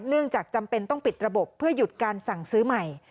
จำเป็นต้องปิดระบบเพื่อหยุดการสั่งซื้อใหม่